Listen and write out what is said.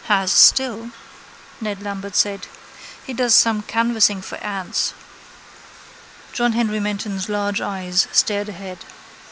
—Has still, Ned Lambert said. He does some canvassing for ads. John Henry Menton's large eyes stared ahead.